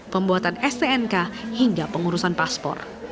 pembuatan stnk hingga pengurusan paspor